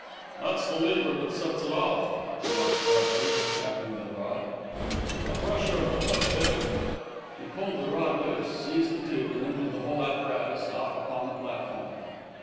"That's the lever that sets it off," remarked Godfrey, tapping the rod. "A pressure of the foot did it." He pulled the rod loose, seized the tube, and lifted the whole apparatus out upon the platform.